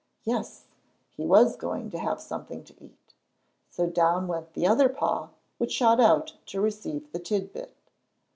Yes, he was going to have something to eat. So down went the other paw, which shot out to receive the tidbit.